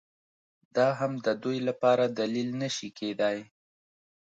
دا هم د دوی لپاره دلیل نه شي کېدای